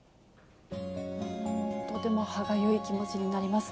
とても歯がゆい気持ちになります。